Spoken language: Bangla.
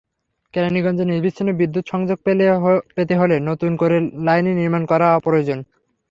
কেরানীগঞ্জে নিরবচ্ছিন্ন বিদ্যুত্ সংযোগ পেতে হলে নতুন করে লাইন নির্মাণ করা প্রয়োজন।